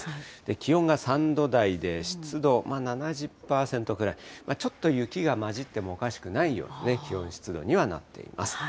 気温が３度台で湿度７０％ぐらい、ちょっと雪が交じってもおかしくないような気温、湿度にはなっています。